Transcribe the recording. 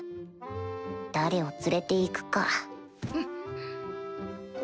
誰を連れて行くか